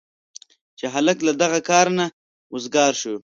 چې هلک له دغه کاره نه وزګار شو.